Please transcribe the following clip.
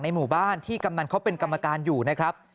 หมู่บ้านที่กำนันเขาเป็นกรรมการอยู่นะครับ